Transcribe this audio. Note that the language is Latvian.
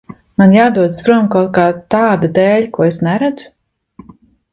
Man jādodas prom kaut kā tāda dēļ, ko es neredzu?